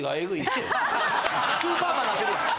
スーパーマンなってる。